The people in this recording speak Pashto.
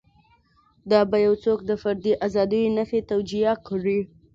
دا به یو څوک د فردي ازادیو نفي توجیه کړي.